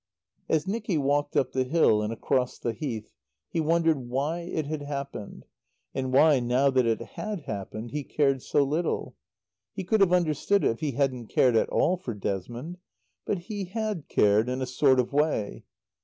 As Nicky walked up the hill and across the Heath, he wondered why it had happened, and why, now that it had happened, he cared so little. He could have understood it if he hadn't cared at all for Desmond. But he had cared in a sort of way.